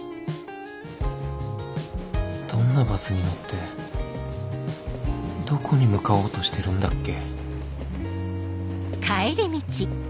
どんなバスに乗ってどこに向かおうとしてるんだっけ？